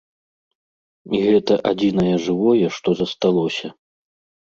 І гэта адзінае жывое, што засталося.